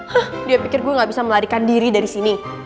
hah dia pikir gue gak bisa melarikan diri dari sini